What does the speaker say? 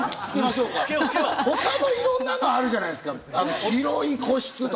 他にいろんなのあるじゃないですか、広い個室とか。